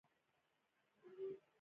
څپې د انرژۍ وړونکي دي.